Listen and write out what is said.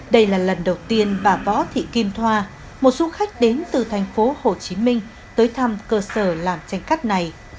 đây là lần đầu tiên bà võ thị kim thoa một du khách đến từ thành phố hồ chí minh tới thăm cơ sở làm tranh cát này